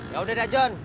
yaudah dah jon